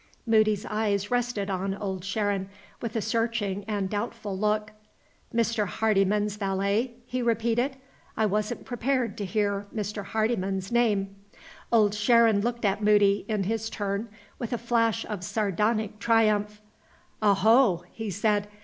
Moody's eyes rested on Old Sharon with a searching and doubtful look. "Mr. Hardyman's valet?" he repeated. "I wasn't prepared to hear Mr. Hardyman's name." Old Sharon looked at Moody, in his turn, with a flash of sardonic triumph. "Oho!" he said.